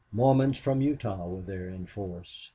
Mormons from Utah were there in force.